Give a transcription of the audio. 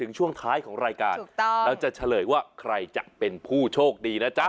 ช่วงท้ายของรายการเราจะเฉลยว่าใครจะเป็นผู้โชคดีนะจ๊ะ